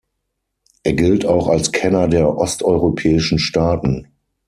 Er gilt auch als Kenner der osteuropäischen Staaten.